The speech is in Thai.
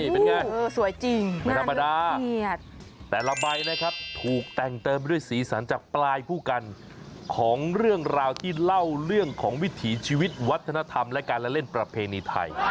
เป็นไงสวยจริงไม่ธรรมดาแต่ละใบนะครับถูกแต่งเติมด้วยสีสันจากปลายผู้กันของเรื่องราวที่เล่าเรื่องของวิถีชีวิตวัฒนธรรมและการละเล่นประเพณีไทย